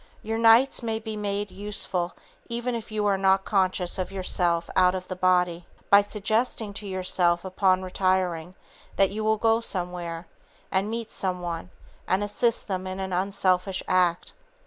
Your nights may be made useful even if you are not conscious of yourself out of the body, by suggesting to yourself upon retiring, that you will go somewhere, and meet some one and assist them in an unselfish act.